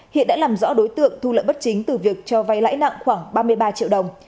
hiện đã làm rõ đối tượng thu lợi bất chính từ việc cho vay lãi nặng khoảng ba mươi ba triệu đồng